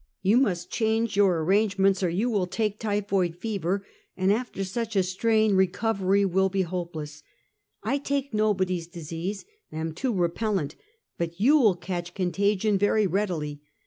You must change your arrange ments or you will take typhoid fever, and after such a strain, recovery will be hopeless, I take nobody's disease — am too repellant; but you will catch contagion very readily.